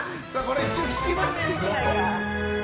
一応聞きますけど。